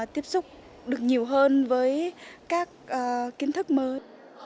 tiếp xúc được nhiều hơn với các kiến thức mới